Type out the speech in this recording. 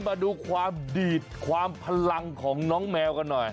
มาดูความดีดความพลังของน้องแมวกันหน่อย